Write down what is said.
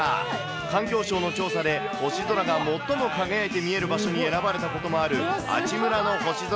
環境省の調査で星空が最も輝いて見える場所に選ばれたこともある阿智村の星空。